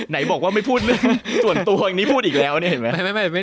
ไหนบอกว่าไม่พูดเรื่องส่วนตัวอย่างนี้พูดอีกแล้วเนี่ยเห็นไหม